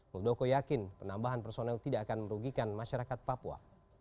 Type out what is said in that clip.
muldoko yakin penambahan personel tidak akan merugikan masyarakat papua